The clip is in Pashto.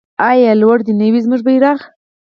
آیا لوړ دې نه وي زموږ بیرغ؟